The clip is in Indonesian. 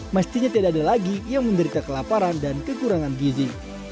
mestinya tidak ada lagi yang menderita kelaparan dan kekurangan gizi